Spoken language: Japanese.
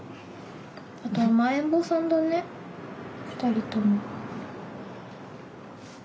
あと甘えん坊さんだね２人とも。